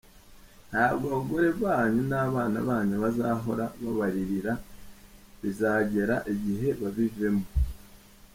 Ntabwo abagore banyu n’abana banyu bazahora babaririra bizagera igihe babivemo.